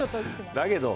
だけど、